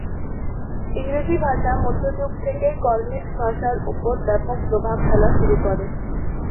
ইংরেজি ভাষা মধ্যযুগ থেকেই কর্নিশ ভাষার উপর ব্যাপক প্রভাব ফেলা শুরু করে।